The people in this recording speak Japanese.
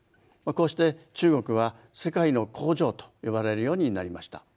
こうして中国は世界の工場と呼ばれるようになりました。